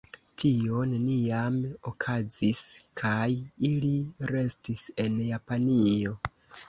Tio neniam okazis, kaj ili restis en Japanio.